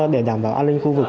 để đảm bảo an ninh khu vực